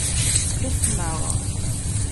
Txuṣṣem-aɣ.